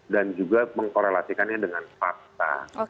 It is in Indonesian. dan juga mengkorelasikannya dengan fakta